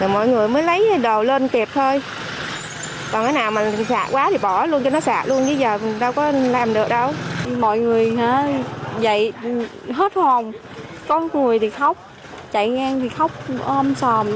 mọi người dậy hết hồn có người thì khóc chạy ngang thì khóc ôm sòm